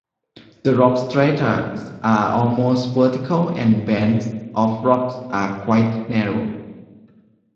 The rock strata are almost vertical, and the bands of rock are quite narrow.